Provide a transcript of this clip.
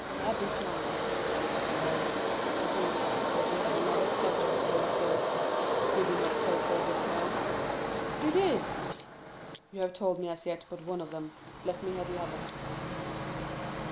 The abbé smiled. "Well," said he, "but you had another subject for your thoughts; did you not say so just now?" "I did!" "You have told me as yet but one of them—let me hear the other."